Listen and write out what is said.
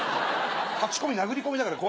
カチコミ殴り込みだから。